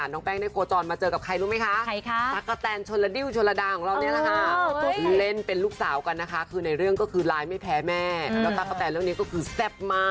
น้องแป้งกอจรมาเจอกับใครรู้มั้ยคะ